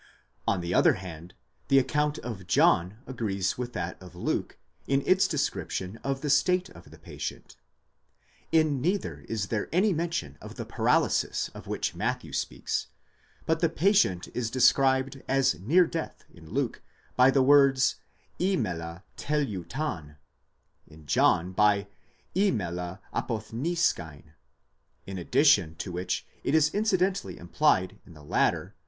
On the other hand, the account of John agrees with that of Luke in its description of the state of the patient; in neither is there any mention of the paralysis of which Matthew speaks, but the patient is de scribed as near death, in Luke by the words ἤμελλε τελευτᾷν, in John by ἤμελλεν ἀποθνήσκειν, in addition to which it is incidentally implied in the latter, v.